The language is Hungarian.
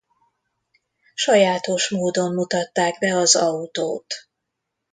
Sajátos módon mutatták be az autót.